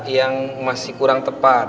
yang masih kurang tepat